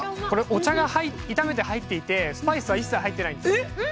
お茶が炒めて入っていてスパイスは一切、入ってないです。